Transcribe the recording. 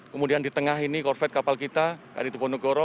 kemudian di tengah ini korvet kapal kita kri teponegoro